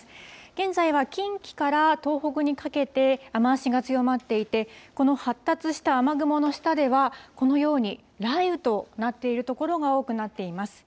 現在は近畿から東北にかけて雨足が強まっていて、この発達した雨雲の下では、このように雷雨となっている所が多くなっています。